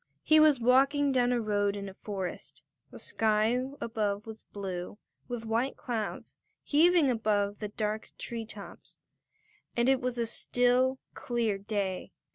He was walking down a road in a forest. The sky above was blue, with white clouds heaving above the dark tree tops, and it was a still, clear day.